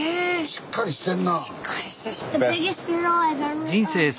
しっかりしてる。